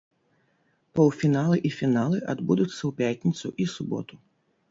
Паўфіналы і фіналы адбудуцца ў пятніцу і суботу.